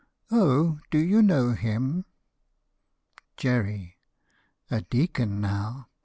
Oh, do you know him? JERRY. A deacon now!